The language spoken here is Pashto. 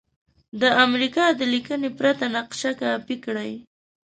د امریکا د لیکنې پرته نقشه کاپې کړئ.